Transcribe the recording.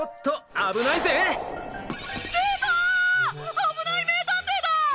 『あぶない名探偵』だ！